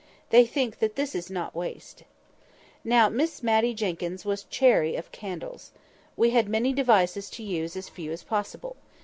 They think that this is not waste. Now Miss Matty Jenkyns was chary of candles. We had many devices to use as few as possible.